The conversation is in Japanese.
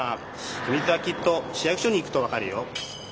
ひみつはきっと市役所に行くとわかるよ！